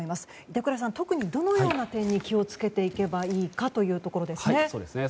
板倉さん、特にどのような点に気を付けていけばいいかというところですね。